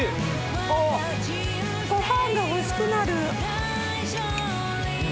ご飯が欲しくなる。